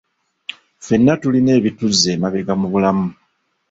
Ffenna tulina ebituzza emabega mu bulamu.